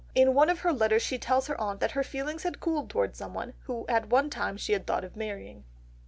In one of her letters she tells her aunt that her feelings had cooled towards someone, who at one time she had thought of marrying.